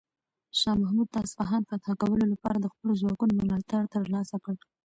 شاه محمود د اصفهان فتح کولو لپاره د خپلو ځواکونو ملاتړ ترلاسه کړ.